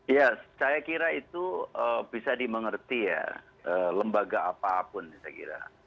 ya saya kira itu bisa dimengerti ya lembaga apapun saya kira